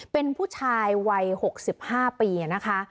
เป็นผู้ชายวัย๖๕ปีนะคะ